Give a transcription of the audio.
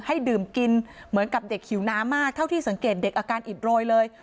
ให้ดื่มกินเหมือนกับเด็กหิวน้ำมากเท่าที่สังเกตเด็กอาการอิดโรยเลย